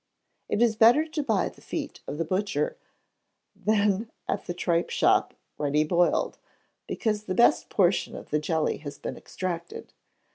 It is better to buy the feet of the butcher, than at the tripe shop ready boiled, because the best portion of the jelly has been extracted.